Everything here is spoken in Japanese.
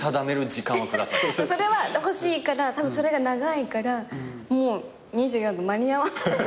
それは欲しいからたぶんそれが長いからもう２４間に合わない。